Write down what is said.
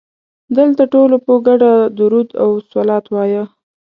دلته ټولو په ګډه درود او صلوات وایه.